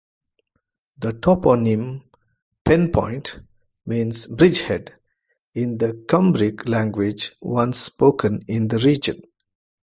The toponym "Penpont" means "bridge-head" in the Cumbric language once spoken in the region.